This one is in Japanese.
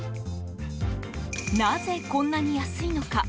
なぜ、こんなに安いのか？